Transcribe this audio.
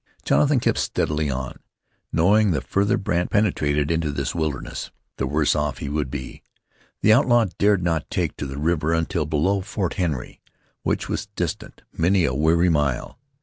Jonathan kept steadily on, knowing the farther Brandt penetrated into this wilderness the worse off he would be. The outlaw dared not take to the river until below Fort Henry, which was distant many a weary mile.